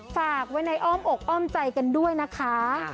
ฝากไว้ในอ้อมอกอ้อมใจกันด้วยนะคะ